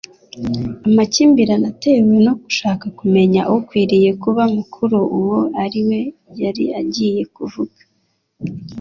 Amakimbirane atewe no gushaka kumenya ukwiriye kuba mukuru uwo ari we yari agiye kuvuka,